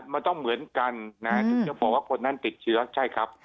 มันต้องเหมือนกันนะถึงจะบอกว่าคนนั้นติดเชื้อใช่ครับ